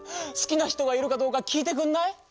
すきなひとがいるかどうかきいてくんない？」。